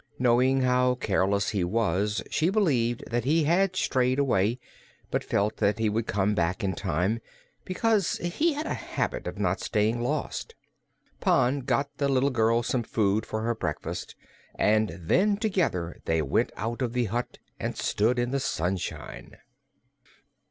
Knowing how careless he was, she believed that he had strayed away, but felt that he would come back in time, because he had a habit of not staying lost. Pon got the little girl some food for her breakfast and then together they went out of the hut and stood in the sunshine.